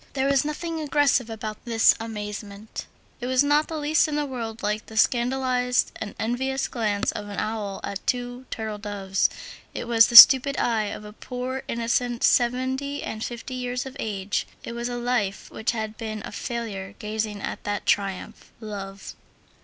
There was nothing aggressive about this amazement; it was not the least in the world like the scandalized and envious glance of an owl at two turtledoves, it was the stupid eye of a poor innocent seven and fifty years of age; it was a life which had been a failure gazing at that triumph, love.